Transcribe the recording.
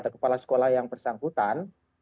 kepala sekolah yang bersangkutan